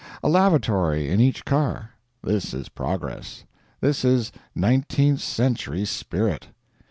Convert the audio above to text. A lavatory in each car. This is progress; this is nineteenth century spirit.